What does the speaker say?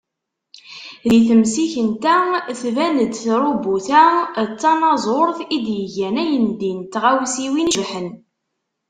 Di temsikent-a, tban-d trubut-a d tanaẓurt i d-igan ayendin d tiɣawsiwin icebḥen.